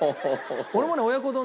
俺もね親子丼